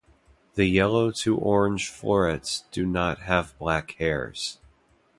The yellow to orange florets do not have black hairs.